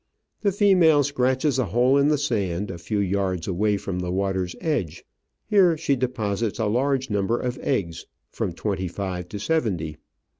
The female scratches a hole in the sand, a few yards away from the water's edge ; here she deposits a large number of eggs — from twenty five to seventy.